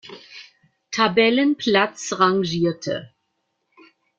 Tabellenplatz rangierte.